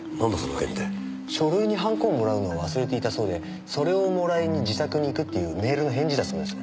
書類にハンコをもらうのを忘れていたそうでそれをもらいに自宅に行くっていうメールの返事だそうです。